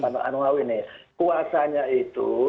pak hermawi kuasanya itu